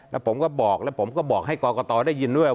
แล้วผมก็บอกแล้วผมก็บอกให้กรกตได้ยินด้วยว่า